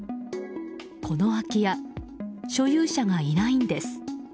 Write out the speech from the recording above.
この空き家所有者がいないんです。